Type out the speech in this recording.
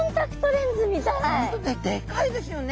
本当でかいですよね。